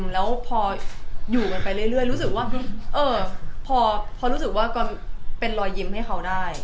แล้วพออยู่กันไปเรื่อยรู้สึกว่าพอรู้สึกว่าก็เป็นรอยยิ้มให้เขาได้